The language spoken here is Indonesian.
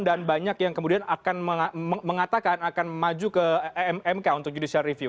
dan banyak yang kemudian akan mengatakan akan maju ke emk untuk judicial review